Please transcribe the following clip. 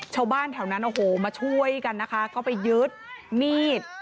ชาวบ้านแถวนั้นโอ้โหมาช่วยกันนะคะก็ไปยึดมีด